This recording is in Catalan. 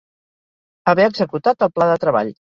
Haver executat el pla de treball.